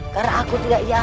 karena aku tidak yakin